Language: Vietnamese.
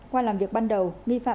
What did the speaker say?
qua làm việc ban đầu nghi phạm nhạc